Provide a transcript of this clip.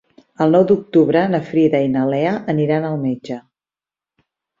El nou d'octubre na Frida i na Lea aniran al metge.